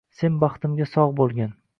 Sen baxtimga sog‘ bo‘lgin!